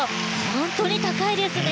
本当に高いですね。